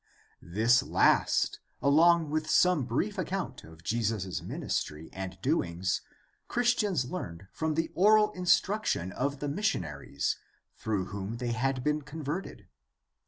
This last along with some brief account of Jesus' ministry and doings Christians learned from the oral instruction of the missionaries through whom they had been converted.